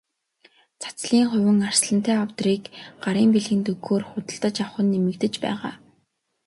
Цацлын хувин, арслантай авдрыг гарын бэлгэнд өгөхөөр худалдаж авах нь нэмэгдэж байгаа.